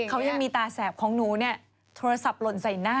เขายังมีตาแสบของหนูเนี่ยโทรศัพท์หล่นใส่หน้า